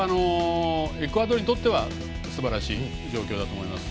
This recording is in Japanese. エクアドルにとってはすばらしい状況だと思います。